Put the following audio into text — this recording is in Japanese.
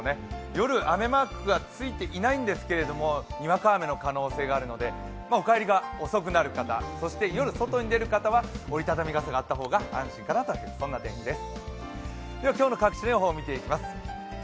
夜、雨マークが付いていないんですが、にわか雨の可能性があるのでお帰りが遅くなる方、そして夜外に出る方は折り畳み傘があった方が安心かなという天気です。